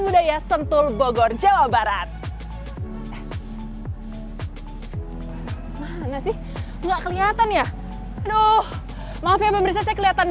budaya sentul bogor jawa barat mana sih enggak kelihatan ya aduh maaf ya pemirsa saya kelihatan